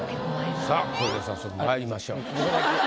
さぁそれでは早速まいりましょう。